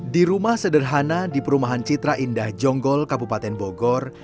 di rumah sederhana di perumahan citra indah jonggol kabupaten bogor